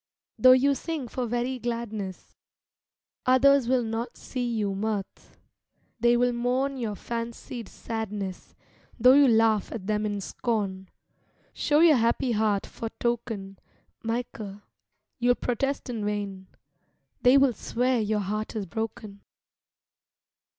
Though you sing for very gladness, Others will not see you mirth; Vigils They will mourn your fancied sadness. Though you laugh at them in scorn, Show your happy heart for token, Michael, you'll protest in vain — They will swear your heart is broken!